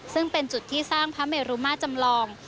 ซึ่งเป็นจุดที่สร้างพระเมรุมาจำลอง